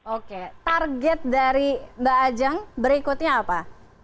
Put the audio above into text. oke target dari mbak ajang berikutnya apa